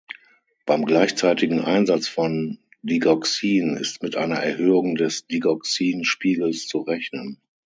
Beim gleichzeitigen Einsatz von Digoxin ist mit einer Erhöhung des Digoxin-Spiegels zu rechnen.